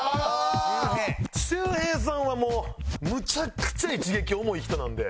周平さんはもうむちゃくちゃ一撃重い人なので。